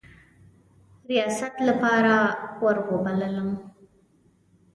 ریاست لپاره وروبللم.